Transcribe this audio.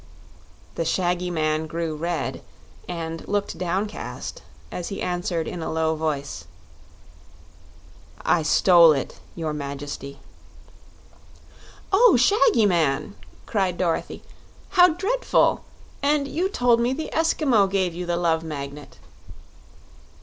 The shaggy man grew red and looked downcast, as he answered in a low voice: "I stole it, your Majesty." "Oh, Shaggy Man!" cried Dorothy. "How dreadful! And you told me the Eskimo gave you the Love Magnet."